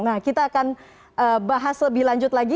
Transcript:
nah kita akan bahas lebih lanjut lagi